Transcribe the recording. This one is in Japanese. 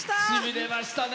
しびれました！